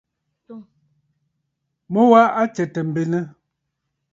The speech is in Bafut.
Mu wa a tsɛ̂tə̀ m̀benə.